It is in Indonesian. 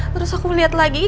terus aku liat lagi